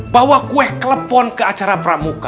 bawa kue klepon ke acara pramuka